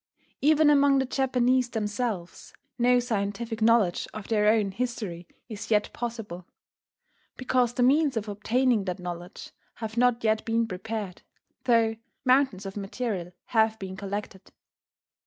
Even among the Japanese themselves, no scientific knowledge of their own history is yet possible; because the means of obtaining that knowledge have not yet been prepared, though mountains of material have been collected.